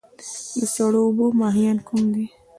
د سړو اوبو ماهیان کوم دي؟